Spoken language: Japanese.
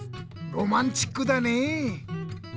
ロマンチックだねぇ！